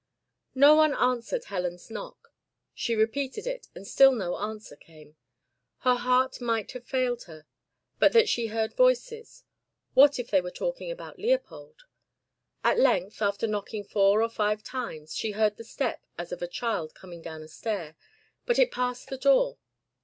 No one answered Helen's knock. She repeated it, and still no answer came. Her heart might have failed her, but that she heard voices: what if they were talking about Leopold? At length, after knocking four or five times, she heard the step as of a child coming down a stair; but it passed the door.